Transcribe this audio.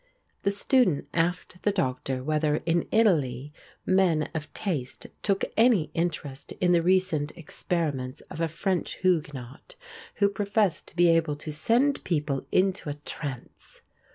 The student asked the Doctor whether in Italy men of taste took any interest in the recent experiments of a French Huguenot, who professed to be able to send people into a trance.